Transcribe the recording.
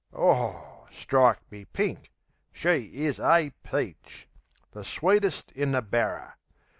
Oh, strike me pink! She is a peach! The sweetest in the barrer!